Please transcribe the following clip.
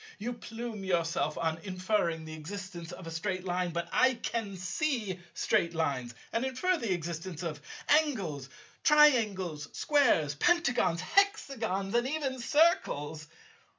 You plume yourself on inferring the existence of a Straight Line; but I can see Straight Lines, and infer the existence of Angles, Triangles, Squares, Pentagons, Hexagons, and even Circles.